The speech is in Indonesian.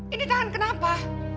ini tahan kenapa